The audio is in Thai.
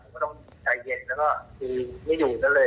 ผมก็ต้องใจเย็นแล้วก็คือไม่อยู่ก็เลย